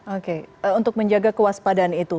oke untuk menjaga kewaspadaan itu